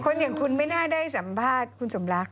อย่างคุณไม่น่าได้สัมภาษณ์คุณสมรัก